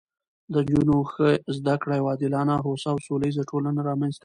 د نجونو ښې زده کړې یوه عادلانه، هوسا او سوله ییزه ټولنه رامنځته کوي